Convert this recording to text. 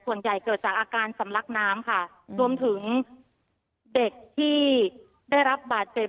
เกิดจากอาการสำลักน้ำค่ะรวมถึงเด็กที่ได้รับบาดเจ็บ